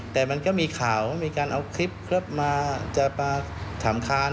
แต่มันก็มีข่าวว่ามีการเอาคลิปเคลือบมาจะมาถามคาน